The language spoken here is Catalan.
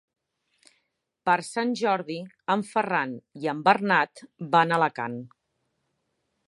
Per Sant Jordi en Ferran i en Bernat van a Alacant.